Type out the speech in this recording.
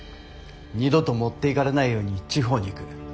二度と持っていかれないように地方に行く。